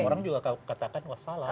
orang juga katakan wassalam